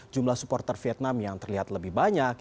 jumlah supporter vietnam yang terlihat lebih banyak